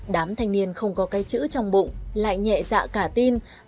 đám thanh niên không có cái chữ trong bụng lại nhẹ dạ cả tin